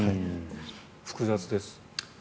複雑です。